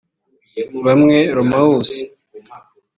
Bamwe Romaeus